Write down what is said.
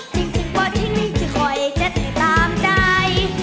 จริงจริงป่อจริงนิ่งจริงคอยเจ็ดให้ตามใจ